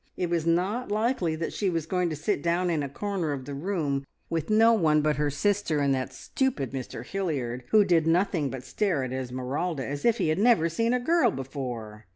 It was not likely that she was going to sit down in a corner of the room with no one but her sister and that stupid Mr Hilliard, who did nothing but stare at Esmeralda, as if he had never seen a girl before.